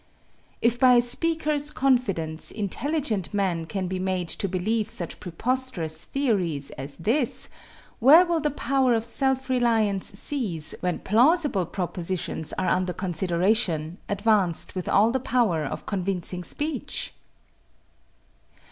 If by a speaker's confidence, intelligent men can be made to believe such preposterous theories as this where will the power of self reliance cease when plausible propositions are under consideration, advanced with all the power of convincing speech?